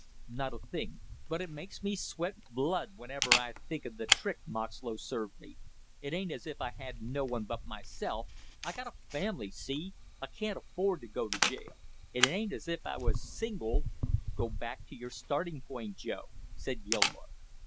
"Not a thing; but it makes me sweat blood whenever I think of the trick Moxlow served me, it ain't as if I had no one but myself! I got a family, see? I can't afford to go to jail, it ain't as if I was single!" "Get back to your starting point, Joe!" said Gilmore.